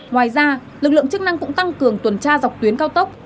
ngoài ra lực lượng chức năng cũng tăng cường tuần tra dọc tuyến cao tốc